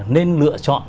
nên lựa chọn